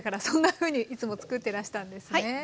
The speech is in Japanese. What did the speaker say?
そんなふうにいつも作ってらしたんですね。